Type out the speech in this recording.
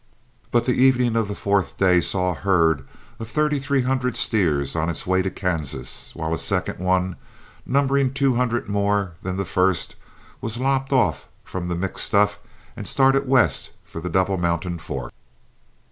But the evening of the fourth day saw a herd of thirty three hundred steers on its way to Kansas, while a second one, numbering two hundred more than the first, was lopped off from the mixed stuff and started west for the Double Mountain Fork.